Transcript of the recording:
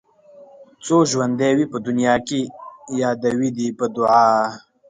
څو ژوندي وي په دنيا کې يادوي دې په دعا